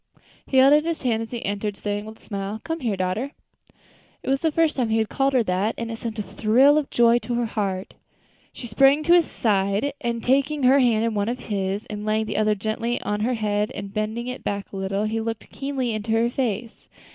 He held out his hand as she entered, saying with a smile, "Come here, daughter." It was the first time he had called her that, and it sent a thrill of joy to her heart. She sprang to his side, and, taking her hand in one of his, and laying the other gently on her head, and bending it back a little, he looked keenly into her face.